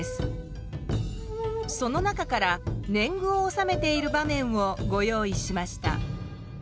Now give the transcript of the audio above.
その中から年貢を納めている場面をご用意しました。